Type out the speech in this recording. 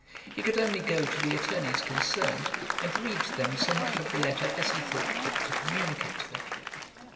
He could only go to the attorneys concerned, and read to them so much of the letter as he thought fit to communicate to them.